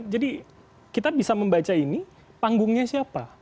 jadi kita bisa membaca ini panggungnya siapa